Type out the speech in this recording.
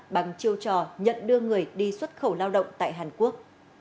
bằng chiêu trò nhận đưa người đi xuất khẩu lao động tại hàn quốc